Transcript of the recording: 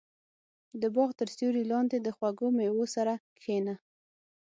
• د باغ تر سیوري لاندې د خوږو مېوو سره کښېنه.